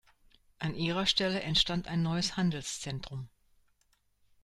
An ihrer Stelle entstand ein neues Handelszentrum.